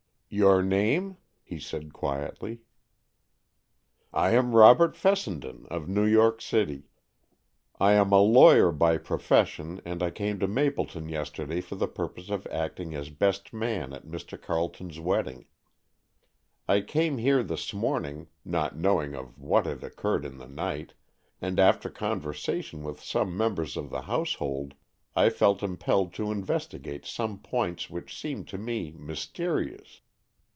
"Your name?" he said quietly. "I am Robert Fessenden, of New York City. I am a lawyer by profession, and I came to Mapleton yesterday for the purpose of acting as best man at Mr. Carleton's wedding. I came here this morning, not knowing of what had occurred in the night, and after conversation with some members of the household I felt impelled to investigate some points which seemed to me mysterious.